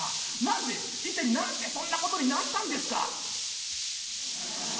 何で一体何でそんなことになったんですか？」。